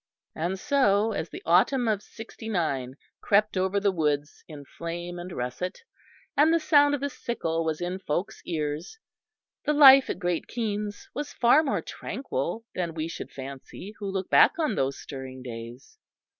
And so, as the autumn of '69 crept over the woods in flame and russet, and the sound of the sickle was in folks' ears, the life at Great Keynes was far more tranquil than we should fancy who look back on those stirring days.